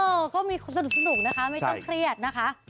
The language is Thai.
ก็มีสนุกนะคะไม่ต้องเครียดนะคะ